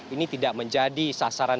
ini tidak menjadi sasaran